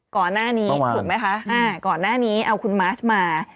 ก่อนหน้านี้ถูกไหมคะก่อนหน้านี้เอาคุณมาสมา